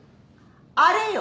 あれよ。